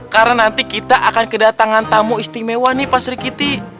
karena nanti kita akan kedatangan tamu istimewa nih pak sri kiti